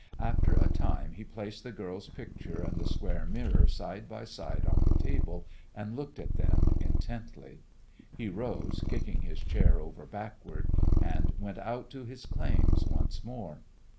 After a time he placed the girl's picture and the square mirror side by side on the table and looked at them intently. He rose, kicking his chair over backward, and went out to his claims once more.